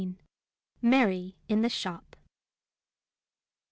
MARY IN THE SHOP.